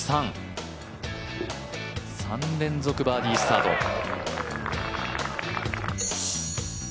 １、２、３３連続バーディースタート。